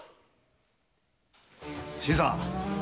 新さん。